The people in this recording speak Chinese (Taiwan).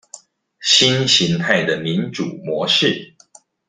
新型態的民主模式